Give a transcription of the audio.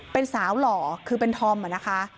เป็นสาวหล่อคือเป็นธอมนะคะ